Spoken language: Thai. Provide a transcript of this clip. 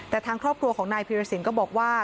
แต่ทางครอบครัวของนายพีรสินก็บอกว่า